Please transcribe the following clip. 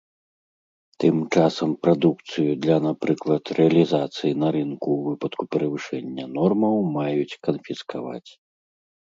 Тым часам прадукцыю для, напрыклад, рэалізацыі на рынку ў выпадку перавышэння нормаў маюць канфіскаваць.